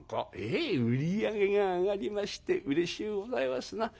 「ええ売り上げが上がりましてうれしゅうございますな」。